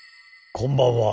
こんばんは。